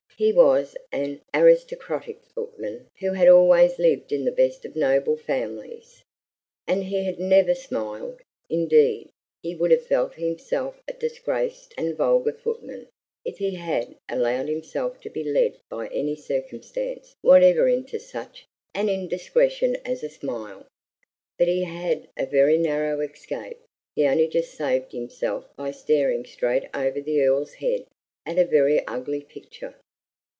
He was an aristocratic footman who had always lived in the best of noble families, and he had never smiled; indeed, he would have felt himself a disgraced and vulgar footman if he had allowed himself to be led by any circumstance whatever into such an indiscretion as a smile. But he had a very narrow escape. He only just saved himself by staring straight over the Earl's head at a very ugly picture.